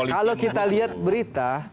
kalau kita lihat berita